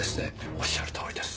おっしゃるとおりです。